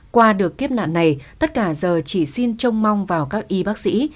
qua được kiếp nạn này tất cả giờ chỉ xin trông mong vào các y bác sĩ